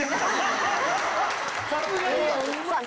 さすがに。